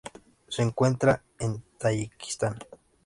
Se encuentra en Tayikistán.